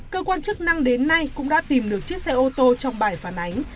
cơ quan chức năng đến nay cũng đã tìm được chiếc xe ô tô trong bài phản ánh